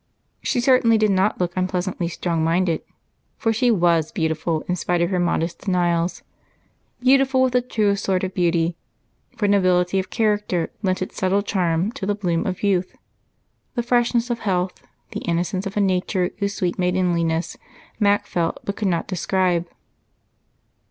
She certainly did not look unpleasantly strong minded, and she was beautiful in spite of her modest denials. Beautiful with the truest sort of beauty, for nobility of character lent its subtle charm to the bloom of youth, the freshness of health, the innocence of a nature whose sweet maidenliness Mac felt but could not describe.